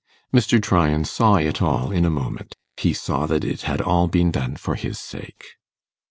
Mr. Tryan saw it all in a moment he saw that it had all been done for his sake.